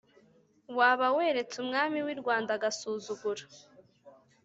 waba weretse umwami wirwanda agasuzuguro